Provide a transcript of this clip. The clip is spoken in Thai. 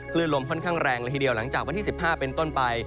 ลมค่อนข้างแรงละทีเดียวหลังจากวันที่๑๕เป็นต้นไป